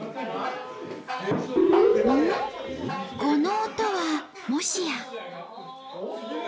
この音はもしや。